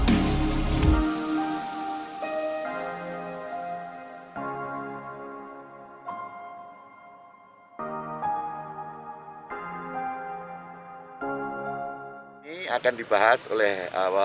ini akan dibahas oleh